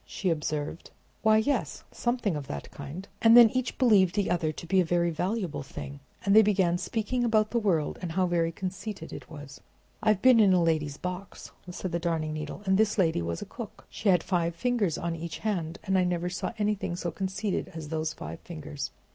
she observed. "Why, yes, something of that kind." And then each believed the other to be a very valuable thing; and they began speaking about the world, and how very conceited it was. "I have been in a lady's box," said the Darning Needle, "and this lady was a cook. She had five fingers on each hand, and I never saw anything so conceited as those five fingers.